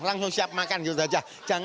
langsung siap makan gitu saja